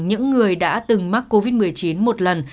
những người đã từng mắc covid một mươi chín một lần